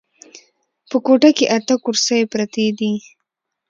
په کوټه کې اته کرسۍ پرتې دي.